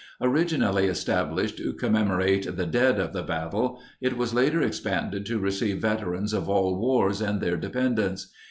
Originally estab lished to commemorate the dead of the battle, it was later expanded to receive veterans of all wars and their dependents.